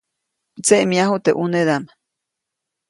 Mdseʼmyaju teʼ ʼunedaʼm.